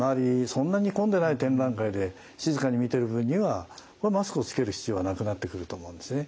そんなに混んでない展覧会で静かに見てる分にはマスクをつける必要はなくなってくると思うんですね。